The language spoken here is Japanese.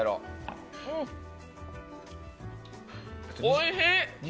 おいしい！